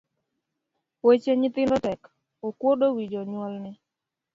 Weche nyithindo tek, okuodo wi jonyuolne.